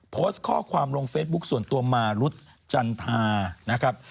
โพสต์ข้อความลงเฟซบุ๊คส่วนตัวมารุธจันทานะครับ